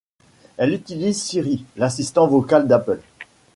Elle utilise Siri, l'assistant vocal d'Apple.